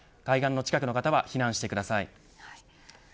海岸の近くの方は避難してください。